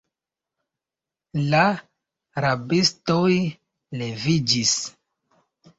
La rabistoj leviĝis.